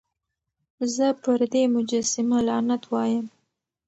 زه پر دې مجسمه لعنت وايم.